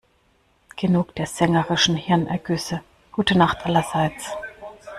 Genug der sängerischen Hirnergüsse - gute Nacht, allerseits.